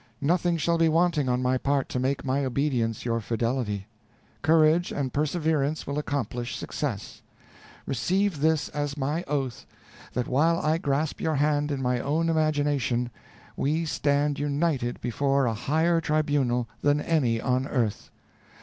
Nothing shall be wanting on my part to make my obedience your fidelity. Courage and perseverance will accomplish success. Receive this as my oath, that while I grasp your hand in my own imagination, we stand united before a higher tribunal than any on earth.